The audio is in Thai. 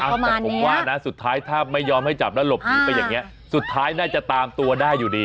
แต่ผมว่านะสุดท้ายถ้าไม่ยอมให้จับแล้วหลบหนีไปอย่างเงี้สุดท้ายน่าจะตามตัวได้อยู่ดี